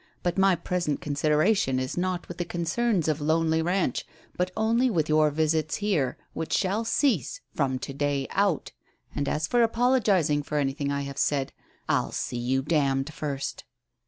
But my present consideration is not with the concerns of Lonely Ranch, but only with your visits here, which shall cease from to day out. And as for apologizing for anything I have said, I'll see you damned first."